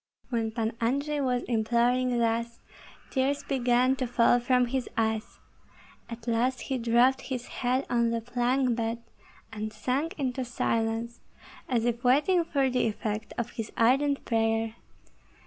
When Pan Andrei was imploring thus, tears began to fall from his eyes; at last he dropped his head on the plank bed and sank into silence, as if waiting for the effect of his ardent prayer.